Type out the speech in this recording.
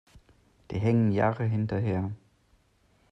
Die hängen Jahre hinterher.